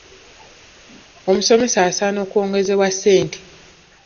Omusomesa asaana kwongezebwa ssente.